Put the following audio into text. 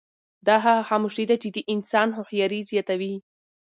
دا هغه خاموشي ده چې د انسان هوښیاري زیاتوي.